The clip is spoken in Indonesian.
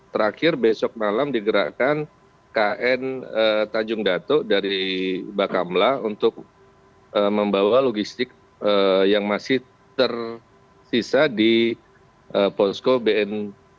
terakhir besok malam digerakkan kn tanjung dato dari bakamla untuk membawa logistik yang masih tersisa di posko bn